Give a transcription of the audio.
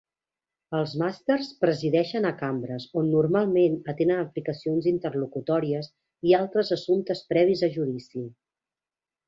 Els Masters presideixen a cambres, on normalment atenen aplicacions interlocutòries i altres assumptes previs a judici.